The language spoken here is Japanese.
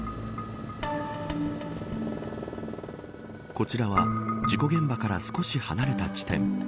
こちらは事故現場から少し離れた地点。